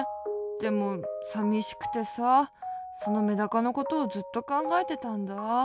でもさみしくてさそのメダカのことをずっとかんがえてたんだ。